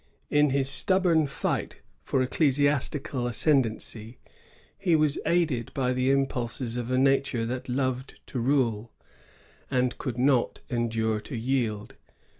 In his stubborn fight for ecclesiastical ascendency, he was aided by the impulses of a nature that loved to rule, and could not endure to yield.